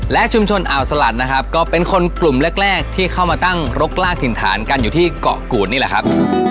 และชุมชนอ่าวสลัดนะครับก็เป็นคนกลุ่มแรกที่เข้ามาตั้งรกลากถิ่นฐานกันอยู่ที่เกาะกูดนี่แหละครับ